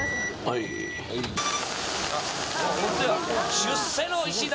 出世の石段！